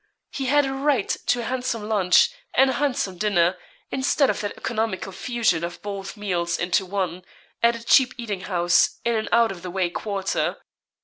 He had a right to a handsome lunch and a handsome dinner, instead of that economical fusion of both meals into one, at a cheap eating house, in an out of the way quarter.